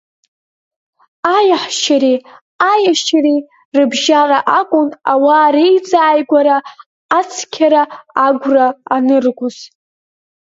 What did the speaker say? Аиаҳәшьареи аиашьареи рыбжьалар акәын ауаа реизааигәара ацқьара агәра аныргоз.